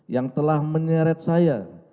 yang telah menyeret saya